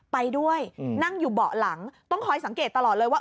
ไปด้วยนั่งอยู่เบาะหลังต้องคอยสังเกตตลอดเลยว่า